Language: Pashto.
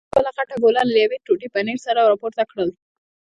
ما یوه بله غټه ګوله له یوې ټوټې پنیر سره راپورته کړل.